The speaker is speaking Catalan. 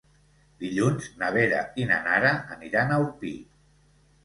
Dilluns na Vera i na Nara aniran a Orpí.